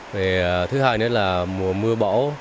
vì thứ hai nữa là mùa mưa bổ